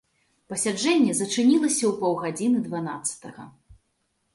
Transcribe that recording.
Пасяджэнне зачынілася ў паўгадзіны дванаццатага.